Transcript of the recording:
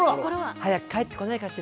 早く帰ってこないかしら。